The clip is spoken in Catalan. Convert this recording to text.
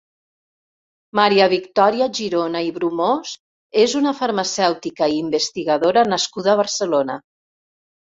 Maria Victòria Girona i Brumós és una farmacèutica i investigadora nascuda a Barcelona.